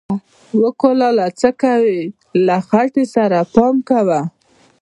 و کلاله څه کوې، له خټې سره پام کوه!